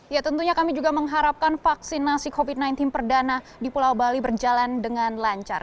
ya tentunya kami juga mengharapkan vaksinasi covid sembilan belas perdana di pulau bali berjalan dengan lancar